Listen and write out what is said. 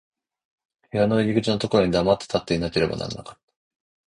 部屋の入口のところに黙って立っていなければならなかった。